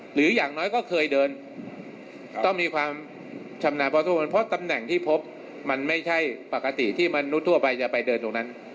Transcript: อย่างน้อยก็เคยเดินต้องมีความชำนาญพอสมควรเพราะตำแหน่งที่พบมันไม่ใช่ปกติที่มนุษย์ทั่วไปจะไปเดินตรงนั้น